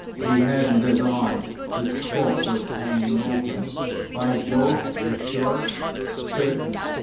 He hadn't it on. His cloak was hanging open." "By Jove! You're sure?" "Certain.